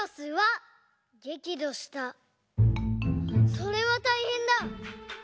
それはたいへんだ！